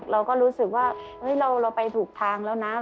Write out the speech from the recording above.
เราก็รู้สึกว่าเราไปถูกทางแล้วนะ